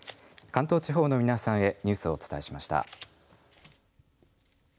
関東地方の皆さんへニュースをお伝えしました。